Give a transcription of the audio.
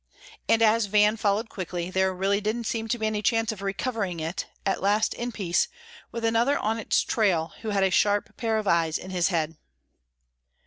And as Van followed quickly, there really didn't seem to be any chance of recovering it, at least in peace, with another on its trail who had a sharp pair of eyes in his head.